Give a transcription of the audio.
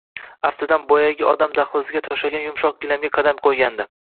Aftidan, boyagi odam dahlizga to`shalgan yumshoq gilamga qadam qo`ygandi